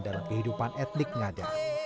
dalam kehidupan etnik ngada